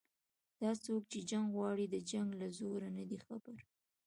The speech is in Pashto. دا څوک چې جنګ غواړي د جنګ له زوره نه دي خبر